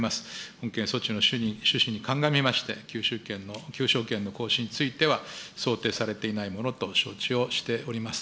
本件措置の趣旨に鑑みまして、求償権の行使については、想定されていないものと承知をしております。